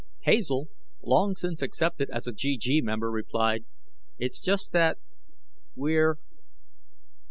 Hazel, long since accepted as a GG member, replied, "It's just that we're